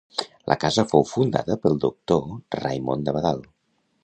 La casa fou fundada pel doctor Raimon d'Abadal.